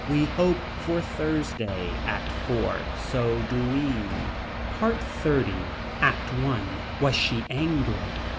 We hope for Thursday. ACT IV. So do we. PART XXX. ACT I. Was she angry.